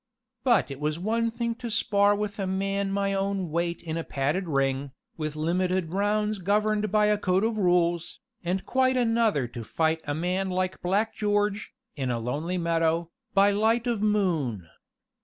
But it was one thing to spar with a man my own weight in a padded ring, with limited rounds governed by a code of rules, and quite another to fight a man like Black George, in a lonely meadow, by light of moon.